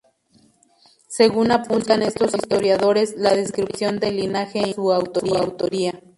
Según apuntan estos historiadores, la descripción del linaje implica su autoría.